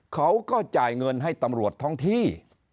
เขาก็จ่ายเงินให้ตำรวจท้องที่